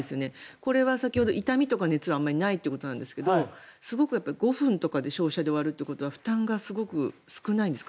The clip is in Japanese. これは痛みとか熱はあまりないということですけど５分とか照射で終わるってことは負担がすごく少ないんですか？